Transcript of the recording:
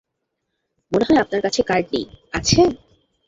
মনে হয় আপনার কাছে কার্ড নেই, আছে?